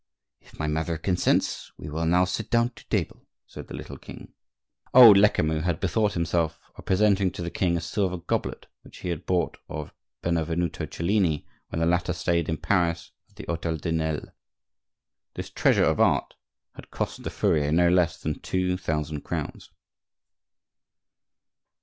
"If my mother consents, we will now sit down to table," said the little king. Old Lecamus had bethought himself of presenting to the king a silver goblet which he had bought of Benvenuto Cellini when the latter stayed in Paris at the hotel de Nesle. This treasure of art had cost the furrier no less than two thousand crowns.